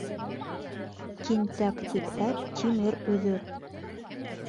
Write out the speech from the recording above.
Тинтәк типһә тимер өҙөр.